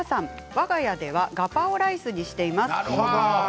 わが家ではガパオライスにしています。